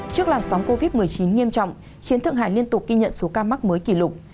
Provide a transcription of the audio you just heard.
trước làn sóng covid một mươi chín nghiêm trọng khiến thượng hải liên tục ghi nhận số ca mắc mới kỷ lục